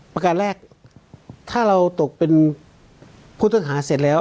ประการแรกถ้าเราตกเป็นผู้ต้องหาเสร็จแล้ว